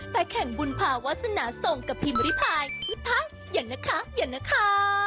แต่แข่งบุญภาวาสนาส่งกับพิมพ์ริพายพุทธภาพอย่างนั้นค่ะอย่างนั้นค่ะ